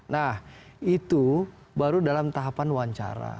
nah itu baru dalam tahapan wawancara